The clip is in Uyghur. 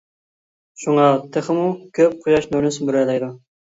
شۇڭا تېخىمۇ كۆپ قۇياش نۇرىنى سۈمۈرەلەيدۇ.